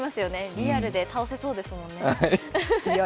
リアルで倒せそうですもんね。